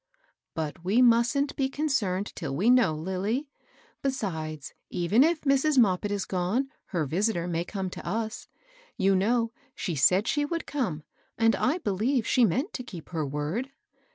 "But we mustn't be concem^dL >SiL^^^^Eass^'* 21 822 MABEL ROSS. Lilly. Besides, even if Mrs. Moppit is gone, her visitor may come to us. Yon know she said she would come, and I believe she meant to keep her word."